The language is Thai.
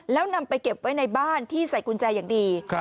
แล้วนำไปเก็บไว้ในบ้านที่ใส่กุญแจอย่างดี